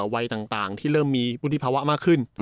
วัยต่างที่เริ่มมีวุฒิภาวะมากขึ้น